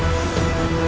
aku akan menangkapmu